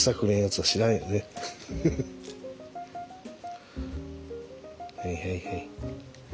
はいはいはい。